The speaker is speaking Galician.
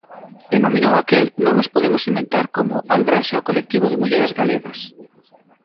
Denominou aquel "non as podemos inventar" como "aldraxe ao colectivo de mulleres galegas".